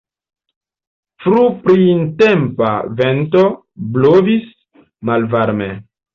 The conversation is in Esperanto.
Fruprintempa vento blovis malvarme.